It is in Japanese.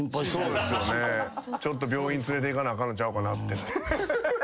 ちょっと病院連れていかなあかんのちゃうかなって。